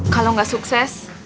kalau gak sukses